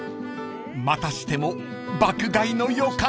［またしても爆買いの予感］